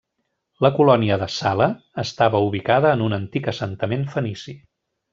La colònia de Sala estava ubicada en un antic assentament fenici.